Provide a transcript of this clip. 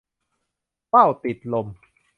ว่าวติดลม